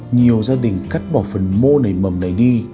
nhiều gia đình cắt bỏ phần mô nảy mầm này đi